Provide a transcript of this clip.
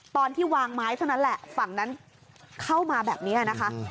ตอนที่วางไม้เท่านั้นแหละฝั่งนั้นเข้ามาแบบนี้นะคะ